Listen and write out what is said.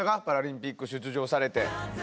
パラリンピック出場されて。